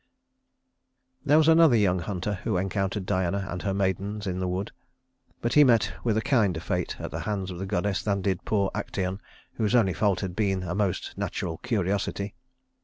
III There was another young hunter who encountered Diana and her maidens in the woods, but he met with a kinder fate at the hands of the goddess than did poor Actæon, whose only fault had been a most natural curiosity.